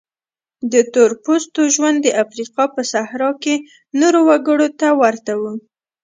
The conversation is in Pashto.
د تور پوستو ژوند د افریقا په صحرا کې نورو وګړو ته ورته و.